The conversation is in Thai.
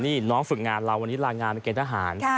นี่น้องฝึกงานเราวันนี้ลางานเกณฑหาร